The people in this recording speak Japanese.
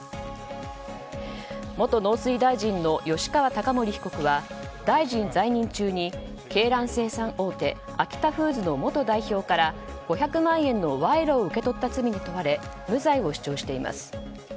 元農水大臣の吉川貴盛被告は大臣在任中に鶏卵生産大手アキタフーズの元代表から５００万円の賄賂を受け取った罪に問われ無罪を主張しています。